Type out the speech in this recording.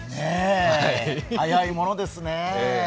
早いものですねぇ。